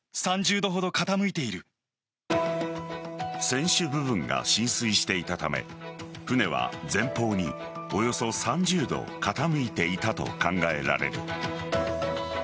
船首部分が浸水していたため船は前方におよそ３０度傾いていたと考えられる。